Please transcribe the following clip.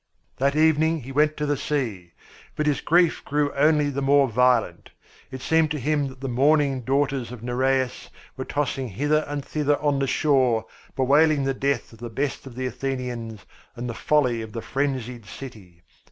That evening he went to the sea. But his grief grew only the more violent. It seemed to him that the mourning daughters of Nereus were tossing hither and thither on the shore bewailing the death of the best of the Athenians and the folly of the frenzied city.